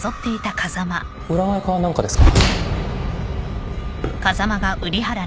占いか何かですか？